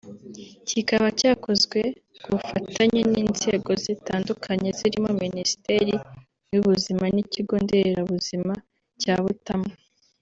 kikaba cyakozwe ku bufatanye n’inzego zitandukanye zirimo Minisiteri y’ubuzima n’Ikigo Nderabuzima cya Butamwa